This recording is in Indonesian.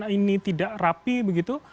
ini tidak rapi begitu